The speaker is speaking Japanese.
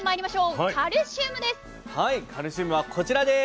はいカルシウムはこちらです。